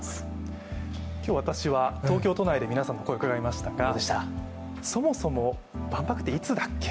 今日、私は東京都内で皆さんの声を伺いましたが、そもそも万博っていつだっけ。